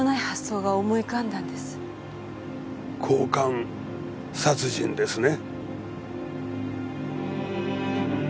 交換殺人ですね？